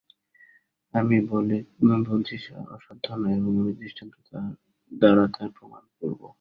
আমি বলছি অসাধ্য নয় এবং আমি দৃষ্টান্ত-দ্বারা তার প্রমাণ করব।